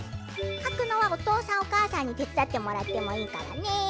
かくのはおとうさんおかあさんにてつだってもらってもいいからね。